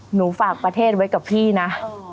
หนูฝากประเทศไว้กับพี่นะ